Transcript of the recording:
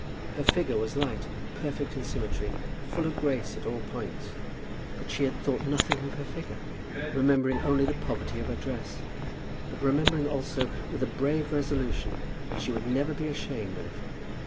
Her figure was light, perfect in symmetry, full of grace at all points; but she had thought nothing of her figure, remembering only the poverty of her dress, but remembering also with a brave resolution that she would never be ashamed of it.